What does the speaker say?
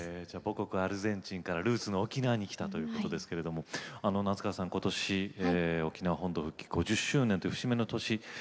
じゃあ母国アルゼンチンからルーツの沖縄に来たということですけれども夏川さんことし沖縄本土復帰５０周年という節目の年